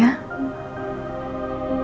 makasih banyak ya kak